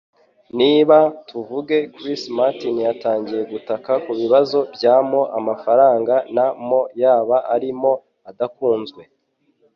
Niba, tuvuge, Chris Martin yatangiye gutaka kubibazo bya mo 'amafaranga na mo', yaba ari mo 'adakunzwe.